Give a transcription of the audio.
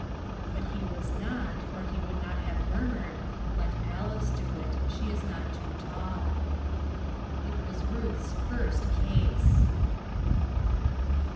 But he was not, or he would not have murmured "Let Alice do it, she is not too tall." It was Ruth's first case.